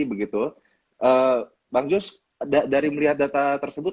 bang jus dari melihat data tersebut